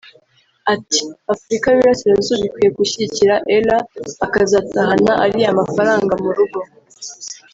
Ati “Afurika y’Uburasirazuba ikwiye gushyigikira Ellah akazatahana ariya mafaranga mu rugo